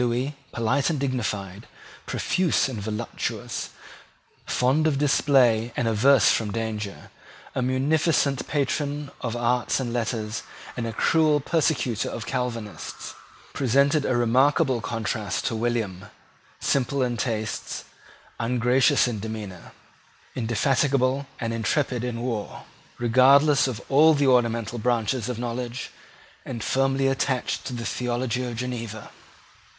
Lewis, polite and dignified, profuse and voluptuous, fond of display and averse from danger, a munificent patron of arts and letters, and a cruel persecutor of Calvinists, presented a remarkable contrast to William, simple in tastes, ungracious in demeanour, indefatigable and intrepid in war, regardless of all the ornamental branches of knowledge, and firmly attached to the theology of Geneva.